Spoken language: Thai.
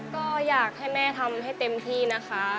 ก็อยากให้แม่ทำให้เต็มที่นะคะ